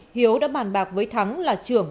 hiếu đã bàn bạc với thắng là trưởng